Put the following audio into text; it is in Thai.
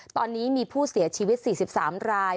ตอนนี้มีผู้เสียชีวิต๔๓ราย